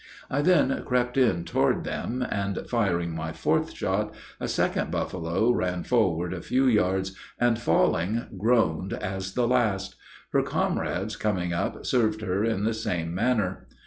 I then crept in toward them, and, firing my fourth shot, a second buffalo ran forward a few yards, and, falling, groaned as the last; her comrades, coming up, served her in the same manner.